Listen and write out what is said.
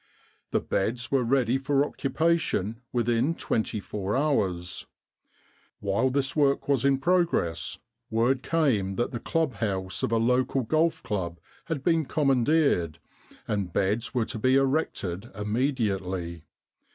The beds were ready for occupation within twenty four hours. While this work was in progress, word came that the club house of a local golf club had been commandeered, and beds were to be erected immediately.